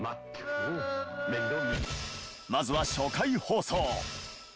まずは初回放送。